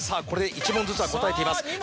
これで１問ずつは答えています。